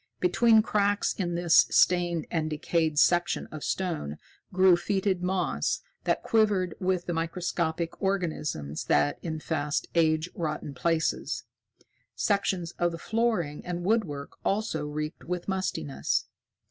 Between cracks in this stained and decayed section of stone grew fetid moss that quivered with the microscopic organisms that infest age rotten places. Sections of the flooring and woodwork also reeked with mustiness.